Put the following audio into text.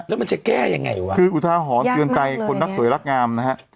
แล้วมันจะแก้ยังไงวะคืออุทาหรณ์เตือนใจคนรักสวยรักงามนะฮะ